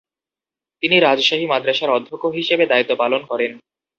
তিনি রাজশাহী মাদ্রাসার অধ্যক্ষ হিসেবে দায়িত্ব পালন করেন।